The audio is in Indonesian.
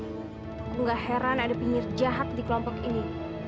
aku gak heran ada pinggir jahat di kelompok ini